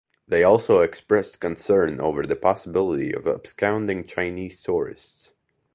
They also expressed concern over the possibility of absconding Chinese tourists.